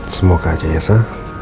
semoga aja ya sa